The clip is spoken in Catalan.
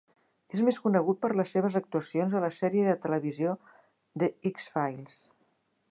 És més conegut per les seves actuacions a la sèrie de televisió 'The X-Files'.